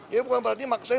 ya bukan berarti maksain